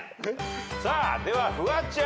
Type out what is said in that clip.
さあではフワちゃん。